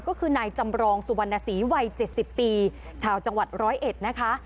ก็คือนายจำรองสุวรรณศรีวัย๗๐ปีชาวจังหวัดร้อยเอ็ดนะคะ